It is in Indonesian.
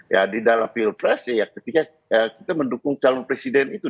ya di dalam pilpres ya ketika kita mendukung calon presiden itu